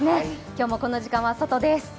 今日もこの時間は外です。